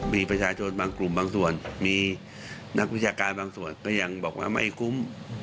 มีประชาชนบางกลุ่มบางส่วนมีนักวิชาการบางส่วนก็ยังบอกว่าไม่คุ้ม